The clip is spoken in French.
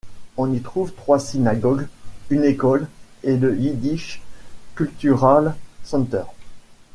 On y trouve trois synagogues, une école et le Yiddish Cultural Center.